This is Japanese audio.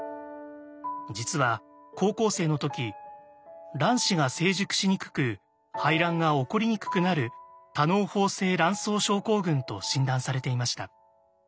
実は高校生の時卵子が成熟しにくく排卵が起こりにくくなる多嚢胞性卵巣症候群と診断されていました。